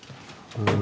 うん。